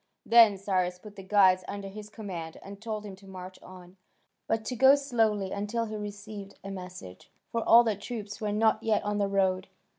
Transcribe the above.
Then Cyrus put the guides under his command, and told him to march on, but to go slowly until he received a message, for all the troops were not yet on the road.